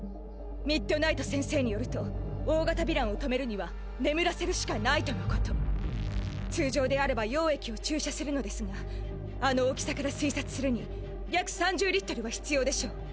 ミッドナイト先生によると大型ヴィランを止めるには眠らせるしかないとのこと通常であれば溶液を注射するのですがあの大きさから推察するに約３０リットルは必要でしょう。